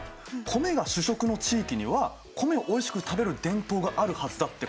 米が主食の地域には米をおいしく食べる伝統があるはずだってことだ。